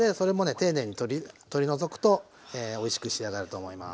丁寧に取り除くとおいしく仕上がると思います。